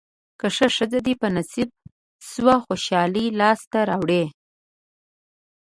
که ښه ښځه دې په نصیب شوه خوشالۍ لاسته راوړې.